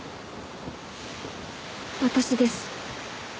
私です。